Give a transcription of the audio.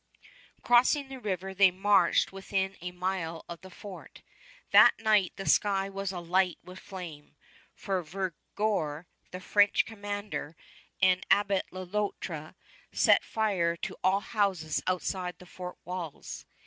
Crossing the river, they marched within a mile of the fort. That night the sky was alight with flame; for Vergor, the French commander, and Abbé Le Loutre set fire to all houses outside the fort walls.